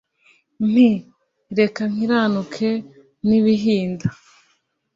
nti " reka nkiranuke n ' ibihinda,